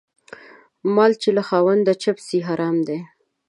مال چې له خاونده چپ سي حرام دى.